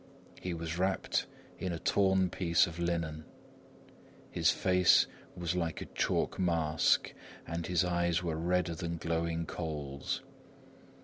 He was wrapped in a torn piece of linen; his face was like a chalk mask, and his eyes were redder than glowing coals.